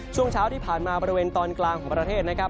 ช่วงเช้าที่ผ่านมาบริเวณตอนกลางของประเทศนะครับ